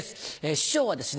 師匠はですね